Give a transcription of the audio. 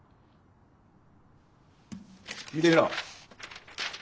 見てみろ。